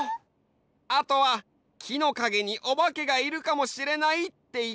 あとはきのかげにおばけがいるかもしれないっていってたね。